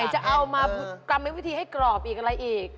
ไหนจะเอามากำลังวิธีให้กรอบอะไรอีก